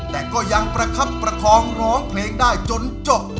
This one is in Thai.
แต่ก็ยังประคับประคองร้องเพลงได้จนจบ